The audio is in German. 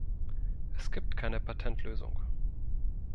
Es gibt keine Patentlösung.